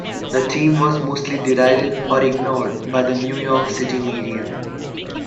The team was mostly derided or ignored by the New York City media.